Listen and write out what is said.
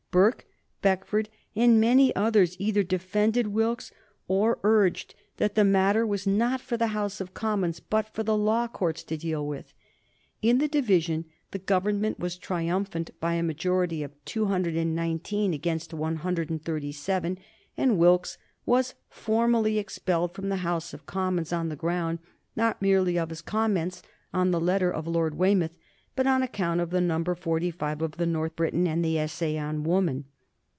Burke, Beckford, and many others either defended Wilkes or urged that the matter was not for the House of Commons, but for the law courts to deal with. In the division the Government was triumphant by a majority of 219 against 137, and Wilkes was formally expelled from the House of Commons on the ground, not merely of his comments on the letter of Lord Weymouth, but on account of the Number Forty five of the North Briton and the "Essay on Woman."